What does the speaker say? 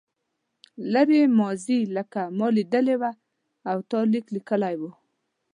لرې ماضي لکه ما لیدلې وه او تا لیک لیکلی و.